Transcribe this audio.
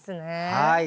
はい。